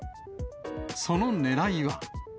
そのねらいは。